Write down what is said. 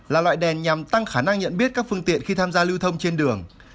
là loại đèn nhằm tăng khả năng nhận biết các phương tiện khi tham gia lưu thông trên đường